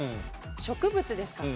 植物ですか？